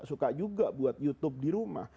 suka juga buat youtube di rumah